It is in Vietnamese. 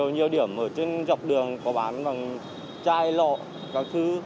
nhiều điểm ở trên dọc đường có bán bằng chai lọ các thứ